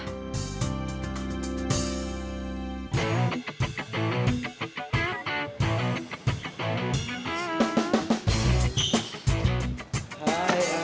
terima kasih udah nonton